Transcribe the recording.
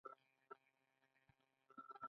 آیا ایران د شخړو حل نه غواړي؟